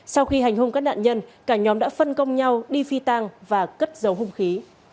sau khi hành hung các nạn nhân cả nhóm đã phân công nhau đi phi tàng và cất dấu hung khí